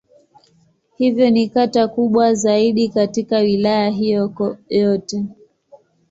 Hivyo ni kata kubwa zaidi katika Wilaya hiyo yote.